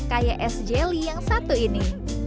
kayak es jelly yang satu ini